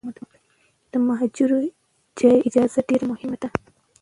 د مهاراجا اجازه ډیره مهمه ده.